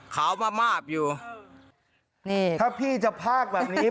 ขาวมามาบอยู่นี่ถ้าพี่จะพากแบบนี้